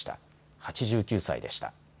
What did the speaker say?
８９歳でした。